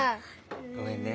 ごめんね。